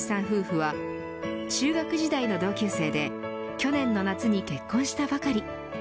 夫婦は中学時代の同級生で去年の夏に結婚したばかり。